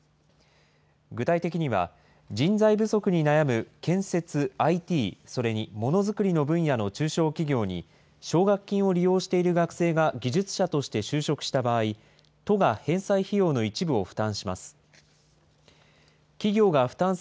具体的には、人材不足に悩む建設、ＩＴ、それにものづくりの分野の中小企業に、奨学金を利用している学生が技術者として就職した場合、都が返済費用の一部を負担します。